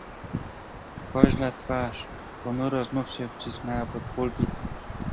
"Koźla twarz ponuro znów się wcisnęła pod pulpit."